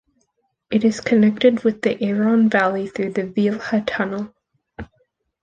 It is connected with the Aran valley thorough the Vielha tunnel.